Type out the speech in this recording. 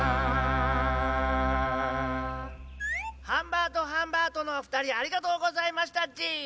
ハンバートハンバートのおふたりありがとうございましたっち！